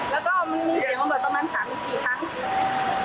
แล้วก็มีเสียงออกมาประมาณ๓๔ครั้ง